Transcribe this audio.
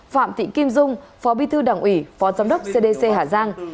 phạm thị kim dung phó bí thư đảng ủy phó giám đốc cdc hà giang